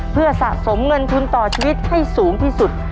เพื่อสะสมเงินทุนต่อชีวิตให้สูงที่สุด